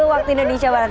waktu indonesia barat